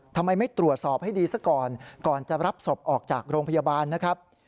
ทำไมไม่ตรวจสอบให้ดีซะก่อนก่อนจะรับศพออกจากโรงพยาบาลนะครับ